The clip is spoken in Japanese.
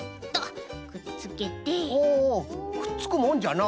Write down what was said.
おおくっつくもんじゃな。